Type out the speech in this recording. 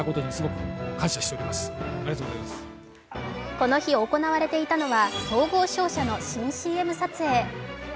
この日、行われていたのは総合商社の新ＣＭ撮影。